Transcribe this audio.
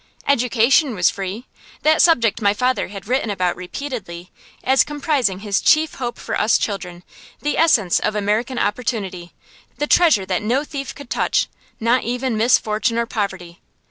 Education was free. That subject my father had written about repeatedly, as comprising his chief hope for us children, the essence of American opportunity, the treasure that no thief could touch, not even misfortune or poverty.